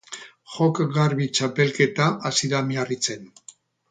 Joko Garbi txapelketa hasi da Miarritzen.